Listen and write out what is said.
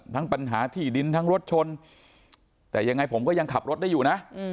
ปัญหาที่ดินทั้งรถชนแต่ยังไงผมก็ยังขับรถได้อยู่นะ